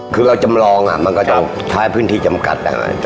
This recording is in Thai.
คือเราจำลองมันก็จะท้ายพื้นที่จำกัดนะฮะ